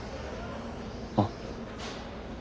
あっ。